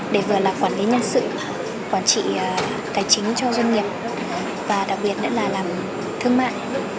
để vừa là quản lý nhân sự quản trị tài chính cho doanh nghiệp và đặc biệt nữa là làm thương mại